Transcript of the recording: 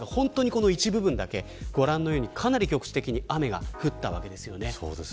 この一部分だけご覧のように、かなり局地的に雨が降ったわけです。